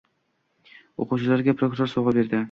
O‘quvchilarga prokuror sovg‘a berdi